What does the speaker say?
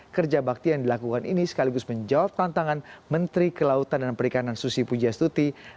kerja bakti yang dilakukan ini sekaligus menjawab tantangan menteri kelautan dan perikanan susi pujastuti